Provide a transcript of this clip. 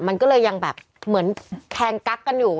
มันก็เลยยังแบบเหมือนแคงกั๊กกันอยู่